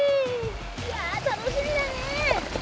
いや楽しみだね。